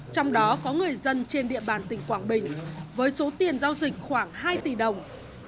trong đó có người dân trên địa bàn tỉnh quảng bình với số tiền giao dịch khoảng hai tỷ đồng